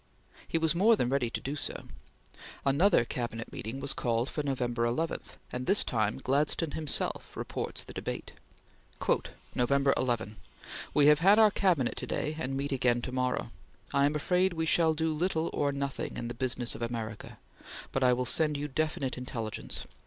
He was more than ready to do so. Another Cabinet meeting was called for November 11, and this time Gladstone himself reports the debate: Nov. 11. We have had our Cabinet to day and meet again tomorrow. I am afraid we shall do little or nothing in the business of America. But I will send you definite intelligence.